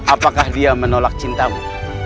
apakah dia menolak cintamu